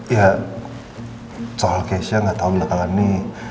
ya soal keisha gak tau belakangan ini